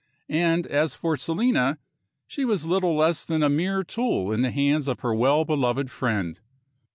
And, as for Selina, she was little less than a mere tool in the hands of her well beloved friend.